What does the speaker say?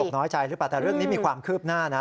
น้อยใจหรือเปล่าแต่เรื่องนี้มีความคืบหน้านะ